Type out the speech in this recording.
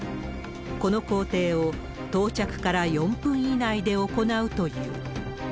この工程を到着から４分以内で行うという。